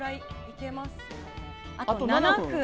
あと７分。